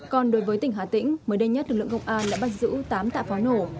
còn đối với tỉnh hà tĩnh mới đây nhất lực lượng công an đã bắt giữ tám tạ pháo nổ